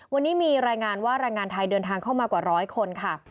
วันนี้มีรายงานว่าแรงงานไทยเดินทางเข้ามากว่าร้อยคนค่ะ